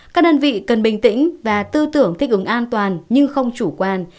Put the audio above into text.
các đơn vị cần bình tĩnh và tư tưởng thích ứng an toàn nhưng không chủ quan